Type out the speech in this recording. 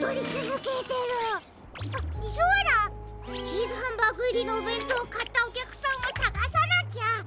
チーズハンバーグいりのおべんとうをかったおきゃくさんをさがさなきゃ！